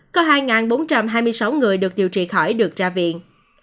có hai bốn trăm hai mươi sáu người được điều trị khỏi được ra viện